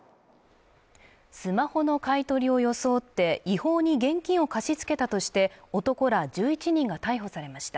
スマホの買い取りを装って違法に現金を貸し付けたとして男ら１１人が逮捕されました